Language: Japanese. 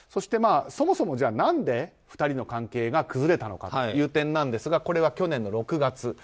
そもそも何で２人の関係が崩れたのかという点ですがこれは去年の６月。